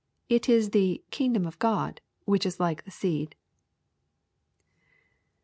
It is the '^ kingdom of Grod/* which is like the seed.